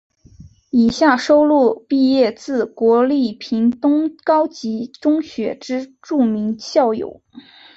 以下收录毕业自国立屏东高级中学之著名校友。